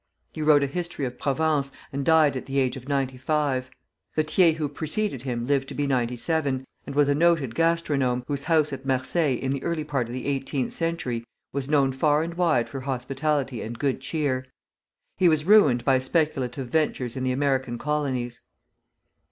He wrote a History of Provence, and died at the age of ninety five. The Thiers who preceded him lived to be ninety seven, and was a noted gastronome, whose house at Marseilles in the early part of the eighteenth century was known far and wide for hospitality and good cheer. He was ruined by speculative ventures in the American colonies.